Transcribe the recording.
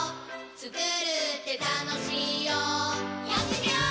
つくるってたのしいよやってみよー！